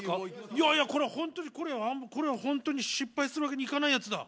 いやいやこれは本当にこれは失敗するわけにいかないやつだ。